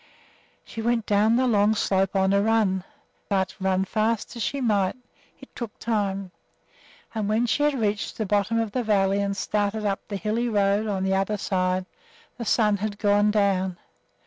She went down the long slope on a run; but, run as fast as she might, it took time, and when she had reached the bottom of the valley and started up the hilly road on the other side, the sun had gone down.